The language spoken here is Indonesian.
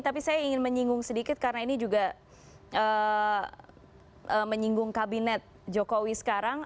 tapi saya ingin menyinggung sedikit karena ini juga menyinggung kabinet jokowi sekarang